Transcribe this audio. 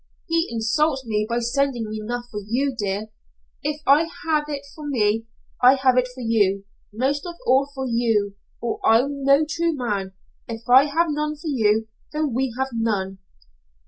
"'He insults me by sending enough for you, dear. If I have it for me, I have it for you most of all for you, or I'm no true man. If I have none for you then we have none.'